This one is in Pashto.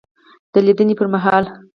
دلیدني پر مهال